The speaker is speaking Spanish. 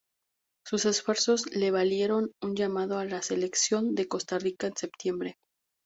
Sus esfuerzos le valieron un llamado a la Selección de Costa Rica en septiembre.